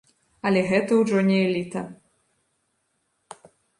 Але гэта ўжо не эліта.